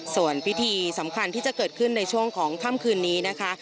ส่วนพิธีสำคัญที่จะเกิดขึ้นในช่วงของค่ำคืนนี้นะคะ